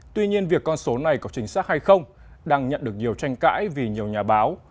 tuy nhiên việc con số này có chính xác hay không đang nhận được nhiều tranh cãi vì nhiều nhà báo